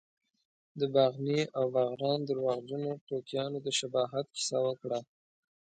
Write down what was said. د باغني او باغران درواغجنو ټوکیانو د شباهت کیسه وکړه.